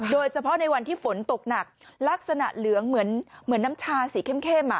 โดยเฉพาะในวันที่ฝนตกหนักลักษณะเหลืองเหมือนน้ำชาสีเข้ม